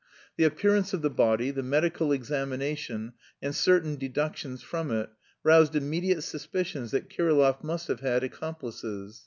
The appearance of the body, the medical examination and certain deductions from it roused immediate suspicions that Kirillov must have had accomplices.